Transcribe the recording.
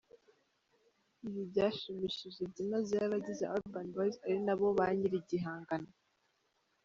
Ibi byashimishije byimazeyo abagize Urban Boyz ari nabo ba nyir’igihangano.